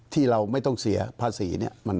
ที่เราไม่ต้องเสียภาษีเนี่ย